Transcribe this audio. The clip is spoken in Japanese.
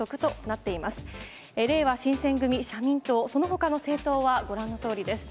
れいわ新選組、社民党、そのほかの政党はご覧のとおりです。